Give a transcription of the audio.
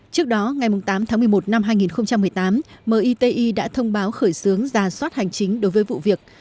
trước đó ngày tám tháng một mươi một năm hai nghìn một mươi tám miti đã thông báo khởi xướng giả soát hành chính đối với vụ việc